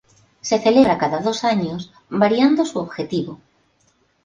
Se celebra cada dos años variando su objetivo.